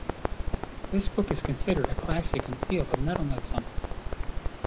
This book is considered a classic in the field of mentalism.